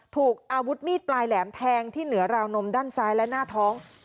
ถูกอาวุธมีดปลายแหลมแทงที่เหนือราวนมด้านซ้ายและหน้าท้อง